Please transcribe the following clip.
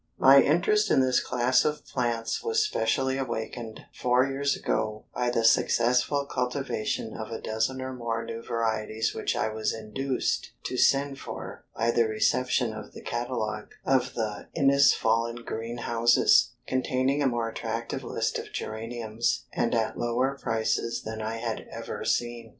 My interest in this class of plants was specially awakened four years ago by the successful cultivation of a dozen or more new varieties which I was induced to send for by the reception of the catalogue of the "Innisfallen Green houses," containing a more attractive list of geraniums, and at lower prices than I had ever seen.